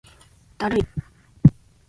だるい